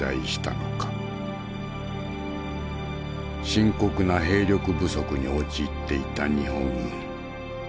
深刻な兵力不足に陥っていた日本軍。